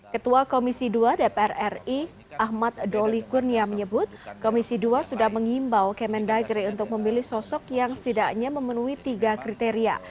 ketua komisi dua dpr ri ahmad doli kurnia menyebut komisi dua sudah mengimbau kemendagri untuk memilih sosok yang setidaknya memenuhi tiga kriteria